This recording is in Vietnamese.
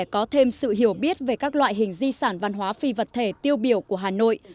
có thêm sự hiểu biết về các loại hình di sản văn hóa phi vật thể tiêu biểu của hà nội